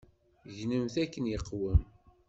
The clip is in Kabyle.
Gnemt akken iqwem.